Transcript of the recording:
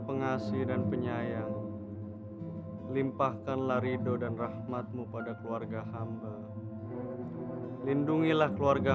pengasih dan penyayang limpahkanlah ridho dan rahmatmu pada keluarga hamba lindungilah keluarga